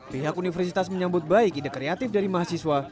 pihak universitas menyambut baik ide kreatif dari mahasiswa